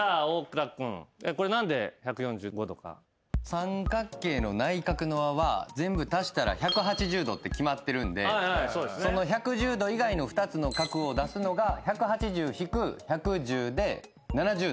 三角形の内角の和は全部足したら１８０度って決まってるんでその１１０度以外の２つの角を出すのが１８０引く１１０で７０度。